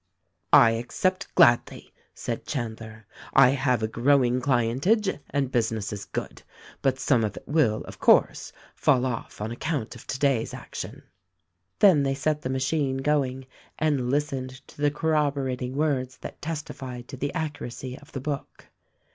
"I accept gladly," said Chandler. "I have a growing clientage and business is good ; but some of it will, of course, fall off on account of today's action." Then they set the machine going and listened to the cor roborating words that testified to the accuracy of the book.